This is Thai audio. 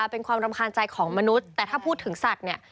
เป็นความรำคาญใจของมนุษย์แต่ถ้าพูดถึงสัตว์เนี่ย